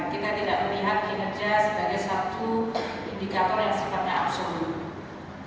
kita tidak melihat kinerja sebagai satu indikator yang sifatnya absur